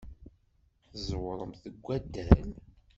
Tẓewremt deg waddal?